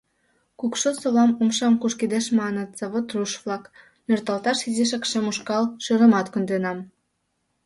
Кукшо совла умшам кушкедеш маныт завод руш-влак, нӧрталташ изишак шем ушкал шӧрымат конденам.